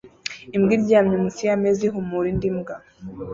Imbwa iryamye munsi yameza ihumura indi mbwa